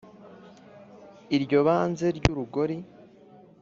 iryo banze ry'urugori